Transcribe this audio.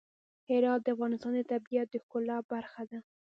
هرات د افغانستان د طبیعت د ښکلا برخه ده.